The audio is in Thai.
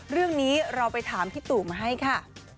เรื่องนี้เราไปถามพี่ตู่มาให้ค่ะ